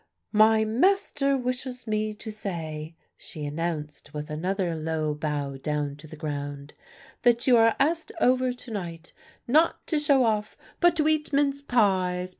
"'My master wishes me to say,' she announced, with another low bow down to the ground, 'that you are asked over to night, not to show off, but to eat mince pies.